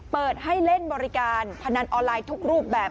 เปิดให้เล่นบริการพนันออนไลน์ทุกรูปแบบ